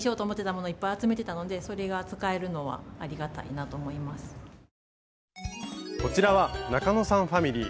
捨てないけどこちらは中野さんファミリー。